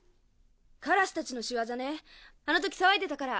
カラスたちの仕業ねあの時騒いでたから。